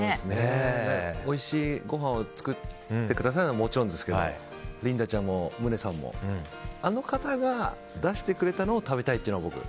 おいしいごはんを作ってくださるのはもちろんですけどリンダちゃんも宗さんもあの方が出してくれたのを食べたいというのが。